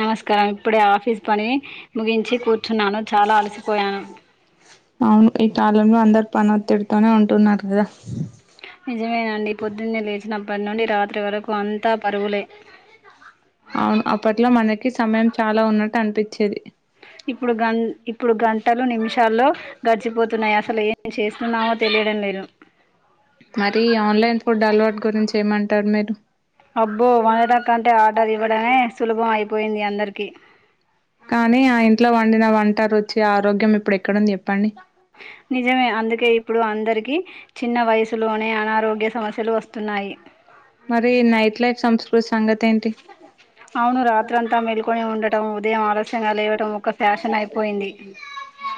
నమస్కారం ఇప్పుడే ఆఫీస్ పని ముగించి కూర్చున్నాను చాలా అలసిపోయాను కాలంలో అందరు పనోత్తిడితోనే ఉంటున్నారు కదా నిజమేనండి పొద్దున్నే లేచినం ఇప్పనుండి రాత్రి వరకు అంతా పరుగులే అవున్, అప్పట్లో మనకి సమయం చాలా ఉన్నట్టు అనిపిచేది. ఇప్పుడు గన్ ఇప్పుడు గంటలు నిమిషాల్లో గడ్ చిపోతున్నా ఇగ అసలు ఏం చేస్ తున్నామో తెలియడం లేదు మరి ఆన్లైన్ ఫుడ్ అలవాటు గురించి ఏమంటారు మీర్? అబ్బో వండుట కంటే ఆర్డర్ ఇవ్వడమే సులభం అయిపోయింది అందరికిీ. కానీ ఆ ఇంట్లో వ వండిన వంట రుచి ఆరోగ్యం ఇప్పుడు ఎక్కడుంది చెప్పండి హ్ నిజమే అందుకే ఇప్పుడు అందరికి చిన్న వయసులోనే అనారోగ్య సమస్యలు వస్తున్నాయి. మరి ఇ నైట్లేట్ సంసృ సంగత్ అవును రాత్రంత మెల్కొని ఉండటం దెం ఆల్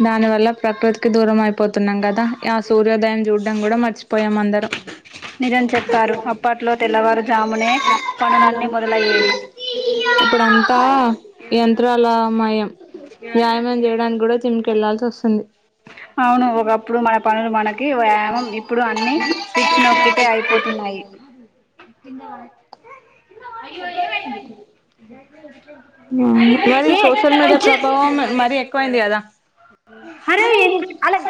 దాని వల్ల ప్రకృత్ కు దూరం అయిపోతున్నాం కదా. ఆ సూర్యోదయం చూడ్డం కూడా మ మచిపోయాం అందరం ఇప్పుడంతా ఎన్ త్రాల మాయం వ్యాయామం చేయడానికి కూడా జిం కెళ్ళల్సొసుంది. అవును ఒకప్పుడు మన పనులు మనకి వ్యాయామం, ఇప్పుడు అన్ని స్విచ్ నొక్కితే అయిపోతున్నాయి. తన్నవా ఉ మరి సోషల్ మీడియ ప్రభావం మరి ఎక్కువైంది కదా అరే అలాగ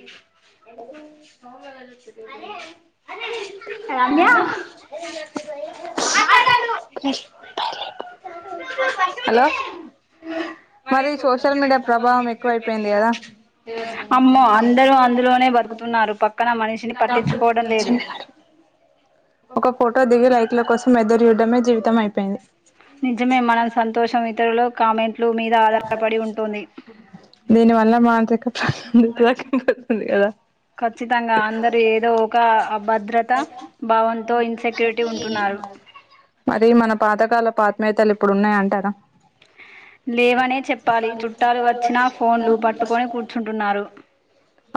ఇ ఎ మామ అ హలో మాది సోష అమ్మో అందరూ అందులోనే బతుకుతున్నారు పక్కన మనిషిని పట్టించుకో ఒక ఫోటో దిగి లైక్ లా కోసం ఎదురు చూడమే జీవితం అయిపోయింది నిజమే మనం సంతోషం ఇతరులు కామెంట్ దీని వల్ల మానసిక ప్రగతి పోతుంది కదా మరి మన ప పథకాల పాత్మేయతలు ఇప్పుడు ఉన్నాయంటారా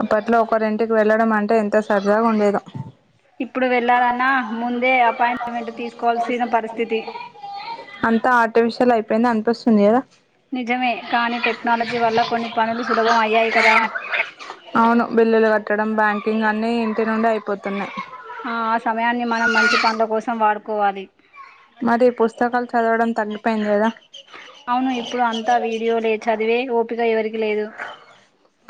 అప్పట్లో ఒకరి ఇంటికి వెళ్ళడం అంటే ఎంత సరదాగా ఉండేదో అంత ఆర్టిఫిషియల్ అయిపోయింది అనిపిస్తుంది కదా అవును బిల్లులు కట్టడం బ్యాంకింగ్ అన్ని ఇంటి నుండి అయి పోతున్నాయి ఆ ఆ సమయాన్ని మనం మంచి పనుల కోసం వాడుకోవాలి అవును ఇప్పుడు అంతా వీడియోలే చదివే ఓపిక ఎవరికి లే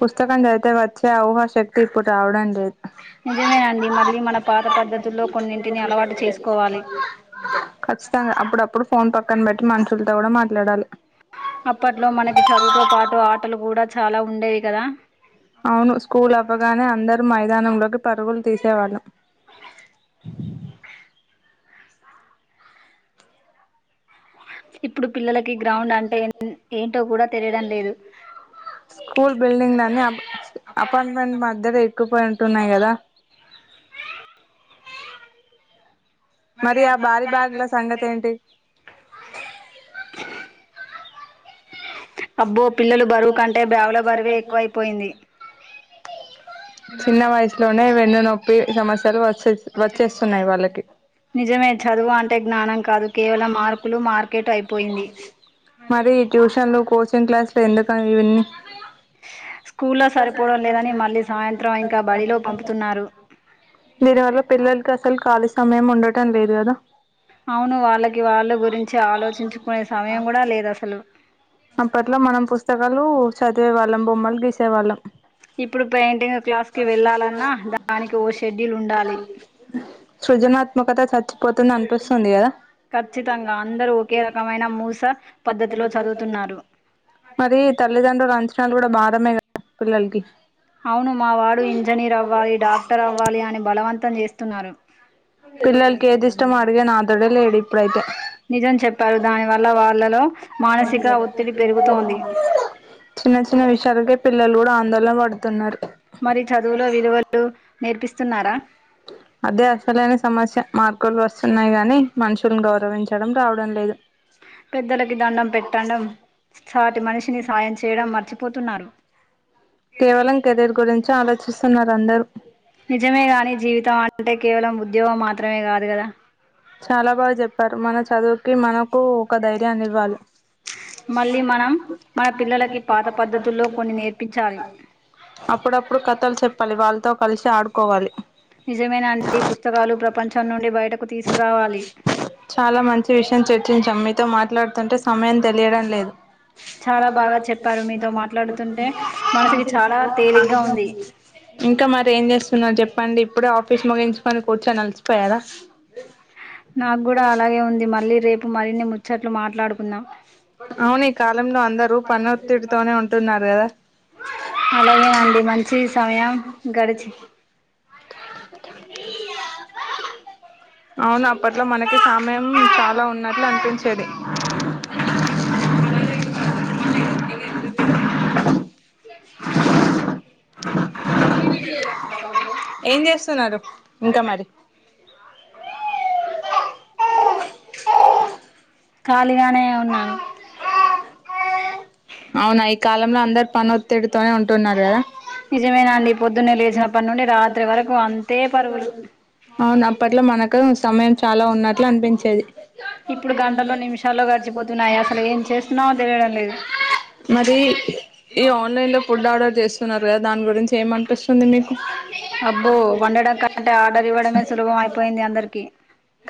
పుస్తకాన్ని చదివితే వచ్చే ఆఊహ శక్తి ఇప్పుడు రావడండి నిజమేనండి మళ్ళీ మన పాత పద్ధతుల్లో కొన్నింటిని అలవాటు చేసుకోవాలి క్కన బెట్టి మనుషులతో కూడా మాట్లాడాలి అప్పట్లో మనకి చదువుతో పాటు ఆటలు కూడా ఉండేవి కదా అవును స్కూల్ అవగానే అందరు మై దానం లోకి పరుగులు తీసే వాళ్ళం ఇప్పుడు పిల్లలకి గ్రౌండ్ అంటే ఏంటో కూడా తెలియడం లేదు మరి ఆ భారీ బ్యాగుల సంగతి ఏంటి అబ్బో చిన్న వయసులోనే వెన్ను నొప్పి సమస్యలు వచ్చే వచ్చేస్తున్నాయి వాళ్ళకి మరి ట్యూషన్లు కోచింగ్ క్లాస్ ఎందుక ఆ ఇవన్నీ దీని వల్ల పిల్లలకి అసలు ఖాళీ సమయం ఉండ టం లేదు కదా అవును వాళ్ళకి వాళ్ళ గురించి ఆలోచించుకునే సమయం కూడా లేదు అసలు అప్పట్లో మనం పుస్తకాలు చదివే వాళ్ళం బొమ్మలు గీసి సెవాళ్ళం. సృజనాత్మకత చచ్ పోతుందనిపిస్తుందిగ ఖచ్చితంగా అందరు ఒకే రకమైన మూస పద్ధత్లో చదువు తున్నారు [unintelligible] [inaudible] ఔను మా వాడు ఇంజనీరవ్వాలి డాక్టరవ్వాలి అని బలవంతం జేస్తున్నారు. పిల్లల్ల్కేదిష్టమ్ అడిగే నాదుడే లేడి నిజం చెప్పారు దాని వల్ల వాళ్ళలొ చిన్న చిన్న విషయాల్కె పిల్లల్ గుడా ఆందోళబడ్ తున్నారు. అదే అసలైన సమస్య మార్కులు వొస్తున్నాయ్ గాని మనుషుల్ను గౌరవించడం రావడం లేదు. పెద్దలకి దండం పెట్టాండం సాటి మనిషిని సాయం చేయడం మర్చిపోతున్నారు. కేవలం కెరీర్ గురించి ఆలోచిస్తున్నారు. అందరు. నిజమే గాని జీవితమంటె కేవలం ఉద్యోగం మాత్రమే గాదు. గద చాలా బాగ్ జెప్పారు మన చదువ్కి మనకు ఒక ధైర్యాన్నివ్వాలి. [unintelligible] మనం మన పిల్లలకి పాత పద్దతులు కొన్ని నేర్పించాలి అప్పుడప్పుడు కథల్ చెప్పాలి వాళ్ళ తొ కల్సి ఆడుకోవాలి. నిజమేనాంటి పుస్తకాలు ప్రపంచం నుండి బయటకు తీస్ ఆ చాలా మంచి విషయం చర్చించాం మీతో మాట్లాడ్తుంటె సమయం తెలియడం లేదు ఇంక [unintelligible] [inaudible] మరి ఏం జేస్తున్నార్ జెప్ప ఇప్పుడే ఆఫీస్ ముగించుకొని కూచ్చోనల్సిపోయార. నాగ్గూడా అలాగే ఉంది మళ్ళీ రేపు మ మరిన్ని ముచ్చట్లు మాట్లాడుకుందాం. అలాగేనండి మంచి సమయం గడిచి ఔను అప్పట్లొ మనకి సమయం చాలా ఉన్నట్ల్ అనిపించేది.. ఏం చేస్తున్నారు ఇంక మరి కాలీగ [unintelligible] అవున ఈ కాలంలో అందరు పని ఒత్తిడితోనే ఉంటున్నారు కదా అవును అప్పట్లో మనకు కు సమయం చాలా ఉన్నట్లు అనిపించేది ఇప్పుడు గంటల్లో నిమిషాల్లో గడిచిపోతున్నాయి అసలు ఏం చేస్తున్నావో తెలియడం లేదు మరి ఈ ఆన్లైన్ లో ఫుడ్ ఆర్డర్ చేస్తున్నారు కదా దాని గురించి ఏమ్ అనిపిస్తుంది మీకు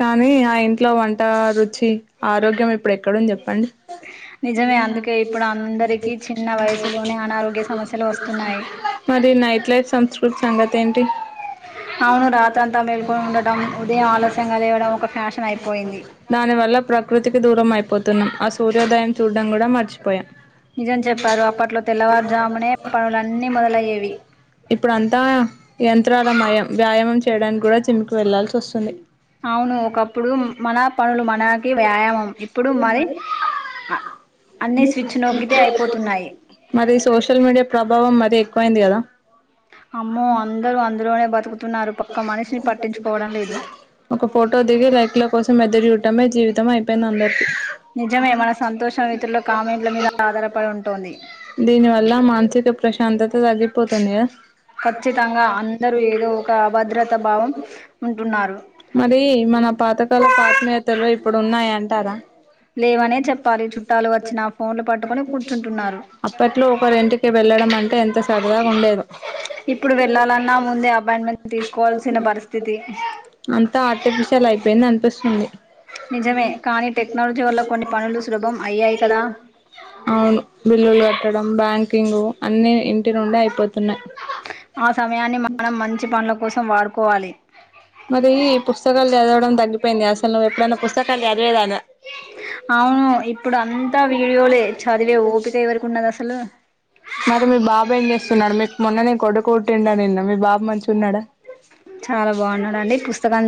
కానీ ఆ ఇంట్లో వంట టారు ఛీ ఆరోగ్యం ఇప్పుడు ఎక్కడుంది చెప్పండి మరి నైట్ లైఫ్ సంస్కృతి సంగతెంటి దానివల్ల ప్రకృతికి దూరం అయిపోతున్నయి ఆ సూర్యోదయం చూడడం కూడ మర్చి పోయ ఇప్పుడ అంతా యంత్రాల మయం వ్యాయామం చేయడానికి కూడ జిమ్ కి వెళ్లాాల్సి వస్తుంది అవును ఒకప్పుడు మన పనులు మనాకి వ్యాయామం ఇప్పుడు మరి మరి సోషల్ మీడియ ప్రభావం మరీ ఎక్కువైంది కదా అమ్మో అందరు అందులోనే బతుకుతున్నారు పక్క మనిషిని పట్టించుకోవడం లేదు అర్థం అయిపోయింది అందరికి దీనివల్ల మనిషికి ప్రశాంతత కందిపోతుంది కదా మరీ మన పాతకాల ఆత్మీయతలు ఇప్పుడు ఉన్నాయి అంటారా లేవనే చెప్పాలి ఈ చుట్ట అప్పట్లో ఒకరి ఇంటికి వెళ్ళడం అంటే ఎంత సరదగా ఉండేదొ అంత ఆర్టిఫిషియల్ అయిపోయింది అనిపిస్తుంది కొన్ని చోట్ల కొన్ని పనులు సులభం ఐ అవును బిల్లులు కట్టడం బ్యాంక్ ంగ్ అన్ని ఇంటి నుండె అయిపోతున్నాయి మరి పుస్తకాల్ చదవడం తగ్గిపోయింది అసలు నువ్వు ఎప్పుడైన్న పుస్తకం చదివేదానా మరి మీ బాబేం చేస్తున్నాడు మీకు మొన్ననే కొడుకు పుట్టిండు నిన్న మీ బాబు మంచిగా ఉన్నాడ చాలా బాగున్నాడు ఏ తీసుక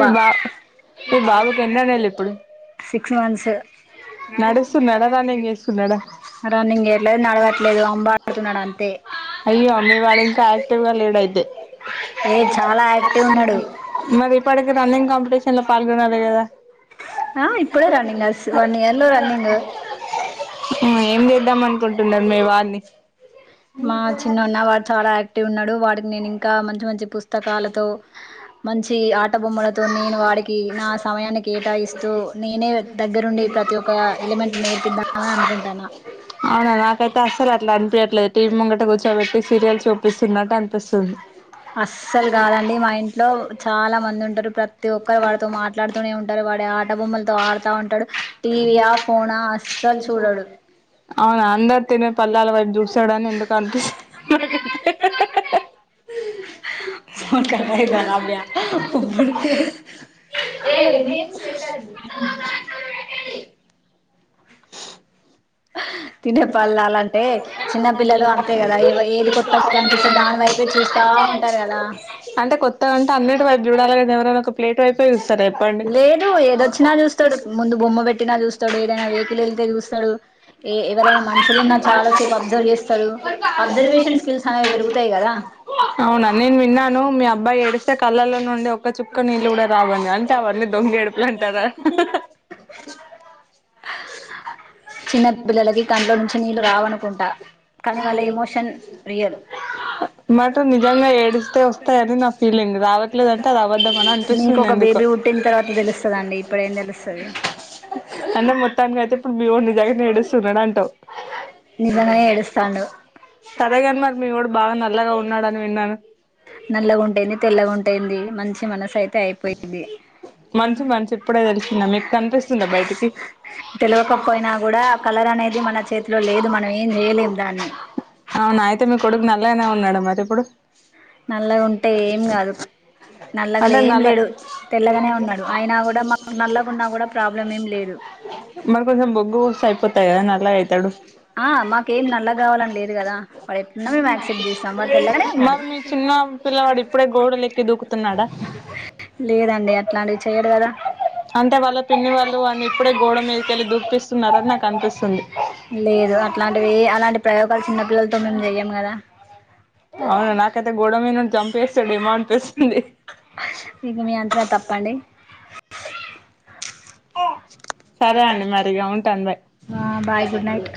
బా సిక్స్ మంత్స్ రన్నింగ్దు నడవట్లేదు అంబడుతున్నాడు అంతే ఏ చాలాక్టివ్ ఉన్నా మరి ఇప్పటికి రన్నింగ్ కాంపిటీషన్ లో పాల్గొన కదా ఏం చేద్దాం అనుకుంటున్నారు మీ వారిని మా చిన్నన్న వాడు చాలా యాక్టివ్ ఉన్నాడు వాడికి నేను ఇంకా మంచి మంచి అవునా నకైతే అసల అట్లా అనిపి అట్ల టీవీ ముంగట కూర్చోబెట్టి సీరియల్ చూపిస్తున్నట్టు అనిపిస్తుంది అస్సలు కాదండి మా ఇంట్లో చాలా మంది ఉంటారు ప్రతి ఒక్కరు వాడితో మాట్లాడుతూనే ఉంటారు వాడి ఆట బొమ్మలతో ఆడుతా ఉంటాడు టీవియా ఫోనా అసలు చూడడు ఎందు కదు మ ఏ అంటే కొత్త కంటే అన్నిటి వైపు చూడాలి కదా ఎవరైనా ఒక ప్లేట్ వైపే చూస్తారా చెప్పండి అవునా నేను విన్నాను మీ అబ్బాయి ఏడిస్తే కళ్ళల్లో నుండి ఒక చుక్క నీళ్ళు కూడా రావండి అంటే అవన్నీ దొంగ ఏడుపులు అంటారా చిన్న ధన్లో నుంచి నీరు రావనుకుంటా కానీ వాళ్ళ ఎమోషన్ రియల్ నీకు ఒక బేబీ పుట్టిన తర్వాత తెలుస్తుందండి ఇప్పుడ ఏం తెలుస్తుంది [unintelligible] నిజంగానే ఏడుస్తాడు నల్లగా ఉంటే ఏంది తెల్లగా ఉంటీ ఏంది మంచి చి మనసు అయితే అయిపోయిది తెలవక అవునా అయితే మీ కొడుకు నల్లగానే ఉన్నాడు మరి ఇప్పుడు నల్లగా ఉంటే ఏం కాదు నల్లగా ఏం లేడు మరి కొంచెం బొగ్గు పోస్తే అయిపోతాయి నల అయితాడు [unintelligible] ఆ మాకేం నల్ల కావాలని లేదు కదా వాడు అట్లైనా మేము యాక్‌ప్ట చేస్తాం వాడు తెల్లగానే ఉన్నాడు అంటే వాళ్ళ పిన్ని వాళ్ళు వాని ఇప్పుడే గోడ మీదకెళ్ళి దుకిపిస్తున్నారు అని నాకు అనిపిస్తుంది లేదు అట్లాంటివి అలాంటి ప్రయోగాలు చిన్నపిల్లలతో మేము చెయ్యాం కదా అవునా నాకైతే గోడ మీద నుండి జంప్ చేసాడు ఏమో అని అనిపిస్తుంది సరే అండి మరి ఇగా ఉంటాను బాయ్ బాయ్ గుడ్ నైట్